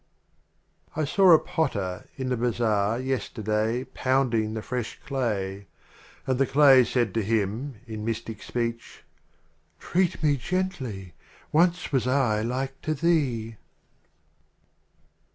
XXXVII. I saw a Potter in the Bazaar, yes terday, Pounding the fresh Clay ; And the Clay said to him in mystic Speech, "Treat me gently — once was I like to thee